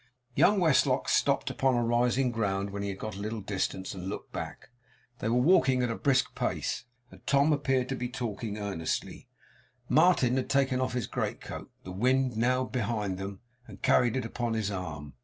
Young Westlock stopped upon a rising ground, when he had gone a little distance, and looked back. They were walking at a brisk pace, and Tom appeared to be talking earnestly. Martin had taken off his greatcoat, the wind being now behind them, and carried it upon his arm.